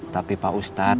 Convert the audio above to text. tapi pak ustadz